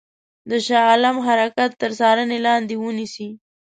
د شاه عالم حرکات تر څارني لاندي ونیسي.